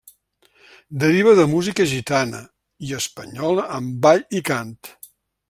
Deriva de música gitana i espanyola en ball i cant.